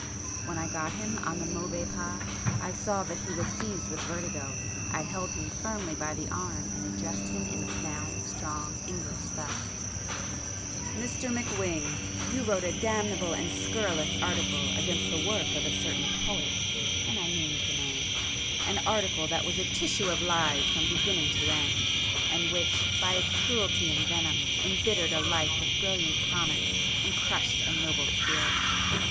When I got him on the Mauvais Pas, I saw that he was seized with vertigo; I held him firmly by the arm and addressed him in sound strong English thus—'Mr McWhing, you wrote a damnable and scurrilous article against the work of a certain poet' and I named the man—'an article that was a tissue of lies from beginning to end, and which by its cruelty and venom embittered a life of brilliant promise, and crushed a noble spirit.